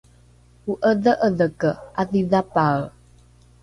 o’edhe’edheke ’adhidhapae